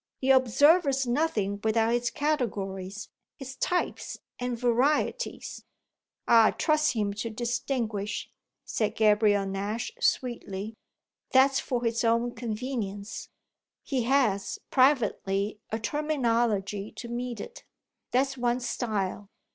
"The observer's nothing without his categories, his types and varieties." "Ah trust him to distinguish!" said Gabriel Nash sweetly. "That's for his own convenience; he has, privately, a terminology to meet it. That's one's style.